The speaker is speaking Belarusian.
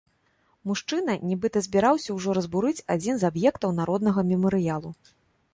Мужчына, нібыта, збіраўся ўжо разбурыць адзін з аб'ектаў народнага мемарыялу.